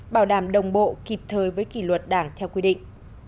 bảo đảm đồng bộ kịp thời với kỷ luật đảng theo quy định